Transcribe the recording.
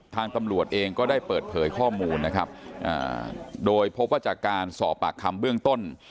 ทางตำรวจเองก็ได้เปิดเผยข้อมูลนะครับโดยพบว่าจากการสอบปากคำเบื้องต้น